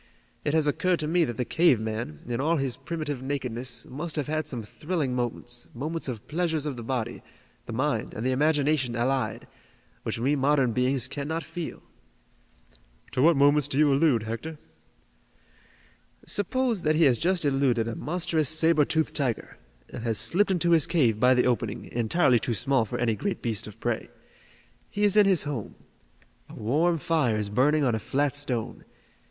It has occurred to me that the cave man, in all his primitive nakedness, must have had some thrilling moments, moments of pleasures of the body, the mind and the imagination allied, which we modern beings cannot feel." "To what moments do you allude, Hector?" "Suppose that he has just eluded a monstrous saber toothed tiger, and has slipped into his cave by the opening, entirely too small for any great beast of prey. He is in his home. A warm fire is burning on a flat stone.